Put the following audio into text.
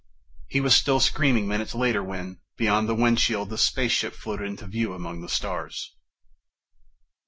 He was still screaming minutes later when, beyond the windshield, the spaceship floated into view among the stars.